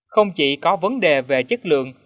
không chỉ có vấn đề về chất lượng